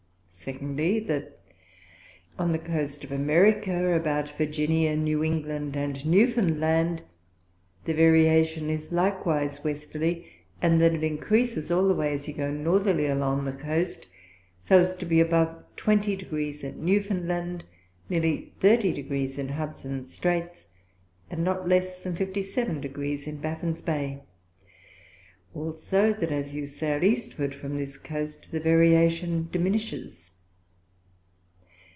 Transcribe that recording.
Secondly, That on the Coast of America, about Virginia, New England and New Foundland, the Variation is likewise Westerly; and that it increases all the way as you go Northerly along the Coast, so as to be above 20 Degrees at New Found Land, nearly 30 gr. in Hudson's Straights, and not less than 57 Degrees in Baffin's Bay; also, that as you Sail Eastward from this Coast, the Variation diminishes.